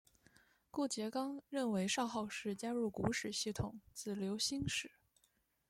顾颉刚认为的少昊氏加入古史系统自刘歆始。